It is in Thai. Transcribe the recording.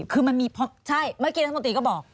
คือมันมีเพราะใช่เมื่อกี้รัฐมนตรีก็บอก